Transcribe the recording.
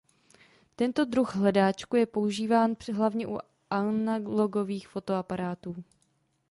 Tento druh hledáčku je používán hlavně u analogových fotoaparátů.